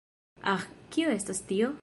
Ah, kio estas tio?